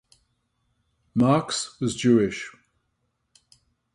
Marks was Jewish.